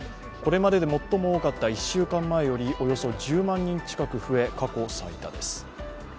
これまでで最も多かった１週間前よりおよそ１０万人近く増え、過去最多です。